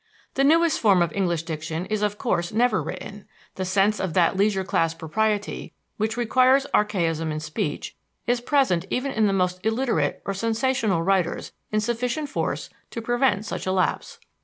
The newest form of English diction is of course never written; the sense of that leisure class propriety which requires archaism in speech is present even in the most illiterate or sensational writers in sufficient force to prevent such a lapse.